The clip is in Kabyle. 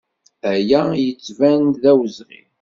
Aya yettban-d d awezɣi.